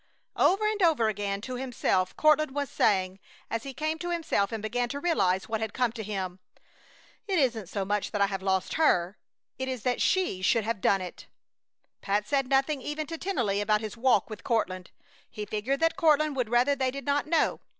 Over and over again to himself Courtland was saying, as he came to himself and began to realize what had come to him: "It isn't so much that I have lost her. It is that she should have done it!" Pat said nothing even to Tennelly about his walk with Courtland. He figured that Courtland would rather they did not know.